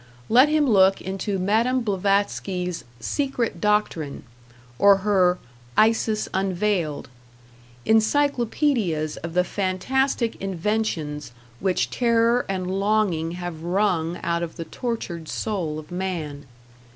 Let him look into Madame Blavatsky's "Secret Doctrine", or her "Isis Unveiled" encyclopedias of the fantastic inventions which terror and longing have wrung out of the tortured soul of man.